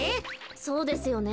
そうですよね。